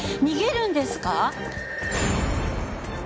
逃げるんですか？